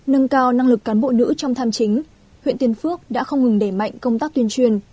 nâng cao năng lực cán bộ nữ trong tham chính huyện tiên phước đã không ngừng đẩy mạnh công tác tuyên truyền